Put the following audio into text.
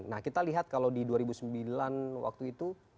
nah kita lihat kalau di dua ribu sembilan waktu itu